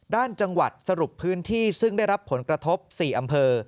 จังหวัดสรุปพื้นที่ซึ่งได้รับผลกระทบ๔อำเภอ